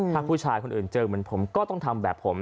ถ้าผู้ชายคนอื่นเจอเหมือนผมก็ต้องทำแบบผม